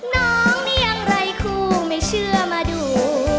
น้องมีอย่างไรคู่ไม่เชื่อมาดู